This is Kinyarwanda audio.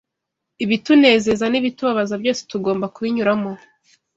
Ibitunezeza n’ibitubabaza byose tugomba kubinyuramo